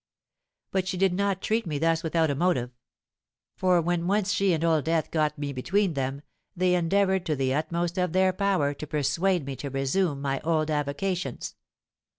But she did not treat me thus without a motive; for when once she and Old Death got me between them, they endeavoured to the utmost of their power to persuade me to resume my old avocations.